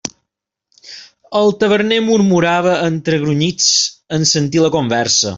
El taverner murmurava entre grunyits en sentir la conversa.